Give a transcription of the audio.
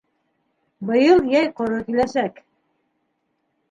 Быйыл йәй ҡоро киләсәк.